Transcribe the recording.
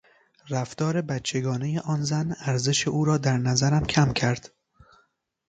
رفتار بچگانهی آن زن ارزش او را در نظرم کم کرد.